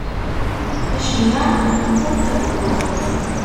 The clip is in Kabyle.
Acemma ur t-ɣellqeɣ.